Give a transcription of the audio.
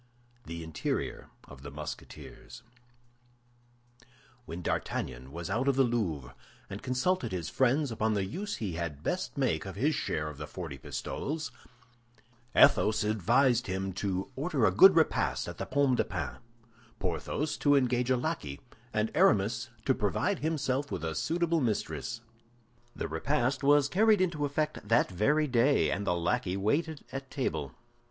THE INTERIOR OF THE MUSKETEERS When D'Artagnan was out of the Louvre, and consulted his friends upon the use he had best make of his share of the forty pistoles, Athos advised him to order a good repast at the Pomme de Pin, Porthos to engage a lackey, and Aramis to provide himself with a suitable mistress. The repast was carried into effect that very day, and the lackey waited at table.